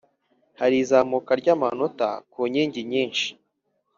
Hari izamuka ry’amanota ku nkingi nyinshi.